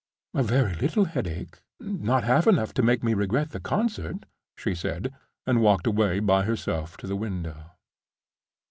"A very little headache; not half enough to make me regret the concert," she said, and walked away by herself to the window.